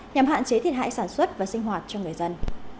nhằm hạn chế thiệt hại sản xuất và sinh hoạt cho người dân